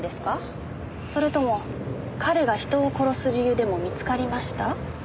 それとも彼が人を殺す理由でも見つかりました？